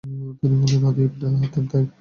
তিনি হলেন আদী ইবনে হাতেম তাঈ।